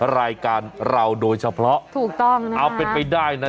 รายการเราโดยเฉพาะถูกต้องนะเอาเป็นไปได้นะ